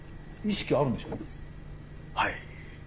はい。